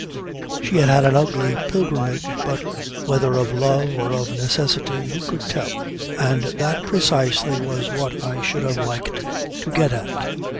She had had an ugly pilgrimage; but whether of love or of necessity who could tell? And that precisely was what I should have liked to get at.